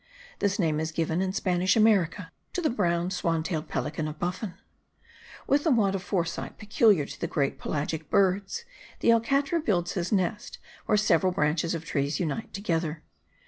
This name is given, in Spanish America, to the brown swan tailed pelican of Buffon. With the want of foresight peculiar to the great pelagic birds, the alcatra builds his nest where several branches of trees unite together.